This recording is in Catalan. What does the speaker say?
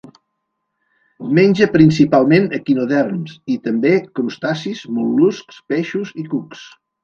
Menja principalment equinoderms i, també, crustacis, mol·luscs, peixos i cucs.